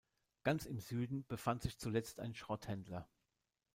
Ganz im Süden befand sich zuletzt ein Schrotthändler.